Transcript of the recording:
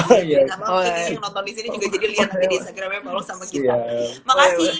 sama kita yang nonton disini juga jadi liat nanti di instagramnya paul sama kita